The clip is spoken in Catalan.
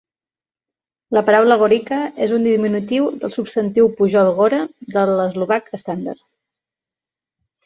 La paraula "gorica" és un diminutiu del substantiu pujol "gora" del eslovac estàndard.